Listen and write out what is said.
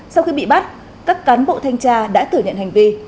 sau khi bị bắt các cán bộ thanh tra đã thử nhận hành vi